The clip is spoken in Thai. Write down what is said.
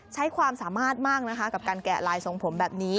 ใช้ความสามารถมากนะคะกับการแกะลายทรงผมแบบนี้